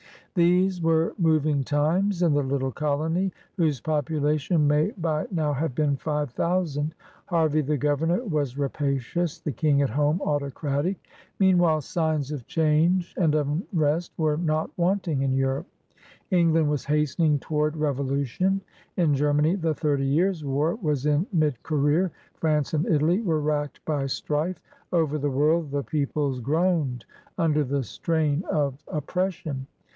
These were moving times in the little colony whose population may by now have been five thousand. Harvey, the Governor, was rapacioiis; the King at home, autocratic. Meanwhile, signs of change and of unrest were not wanting in Europe. f^ 118 HONEERS OP THE OLD SOUTH England was hastening toward revolution; in Ger many the Thirty Years' War was in mid career; France and Italy were racked by strife; over the world the peoples groaned under the strain of op pression.